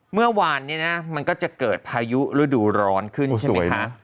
เมื่อวานนี้นะมันก็จะเกิดพายุฤดูร้อนขึ้นใช่ไหมคะ